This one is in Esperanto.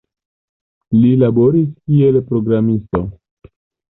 Li laboris kiel programisto.